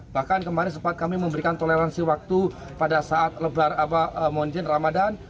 bahkan kemarin sempat kami memberikan toleransi waktu pada saat lebaran monjian ramadan